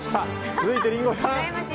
続いて、リンゴさん。